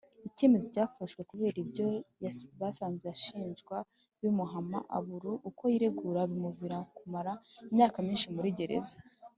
Icyemezo cyafashwe kubera ibyo basanze ashinjwa bimuhama abura uko yiregura bimuviramo kumara imyaka myinshi muri gereza